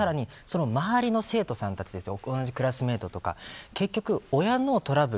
さらに、その周りの生徒さんたち同じクラスメートとか結局、親のトラブル